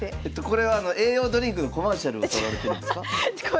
これは栄養ドリンクのコマーシャルを撮られてるんですか？